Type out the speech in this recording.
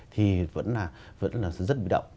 thì vẫn là rất bị động